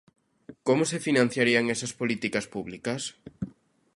Como se financiarían esas políticas públicas?